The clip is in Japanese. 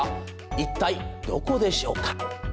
一体、どこでしょうか？